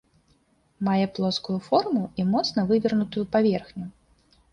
Мае плоскую форму і моцна вывернутую паверхню.